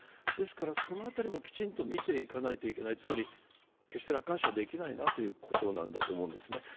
ですからその辺りもきちんと見ていかないといけない、つまり決して楽観視はできないなということだと思うんですね。